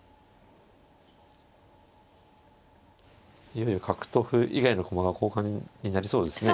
いよいよ角と歩以外の駒が交換になりそうですね。